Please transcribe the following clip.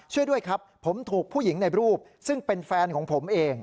ช่วยด้วยครับผมถูกผู้หญิงในรูปซึ่งเป็นแฟนของผมเอง